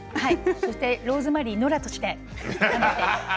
そしてローズマリーノラとして。